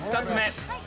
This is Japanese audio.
２つ目。